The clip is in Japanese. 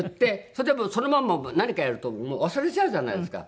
それでもそのまま何かやると忘れちゃうじゃないですか。